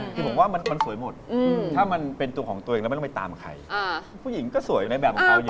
คือผมว่ามันสวยหมดถ้ามันเป็นตัวของตัวเองแล้วไม่ต้องไปตามใครผู้หญิงก็สวยในแบบของเขาเยอะ